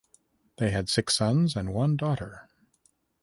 They had six sons and one daughter.